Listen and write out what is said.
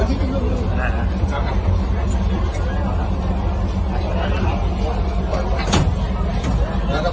สามารถ